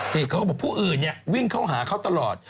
เขาบอกว่าผู้อื่นเนี่ยวิ่งเข้าหาเขาตลอด